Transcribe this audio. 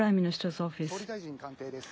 総理大臣官邸です。